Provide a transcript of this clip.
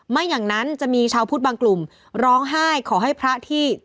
ไม่อย่างนั้นจะมีชาวพุทธบางกลุ่มร้องไห้ขอให้พระที่